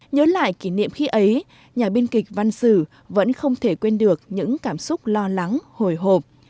nhớ lại kỷ niệm khi ấy nhà biên kịch văn sử vẫn không thể quên được những cảm xúc lo lắng hồi hộp